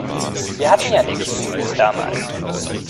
Wir hatten ja nix, damals.